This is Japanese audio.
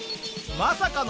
まさかの。